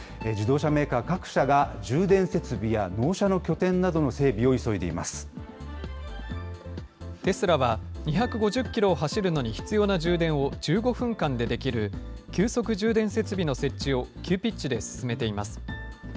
自動車メーカー各社が充電設備や納車の拠点などの整備を急いでいテスラは、２５０キロを走るのに必要な充電を１５分間でできる急速充電設備の設置を急ピッチで進めています。